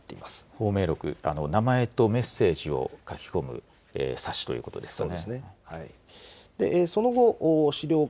芳名録、名前とメッセージを書き込む冊子ということですね。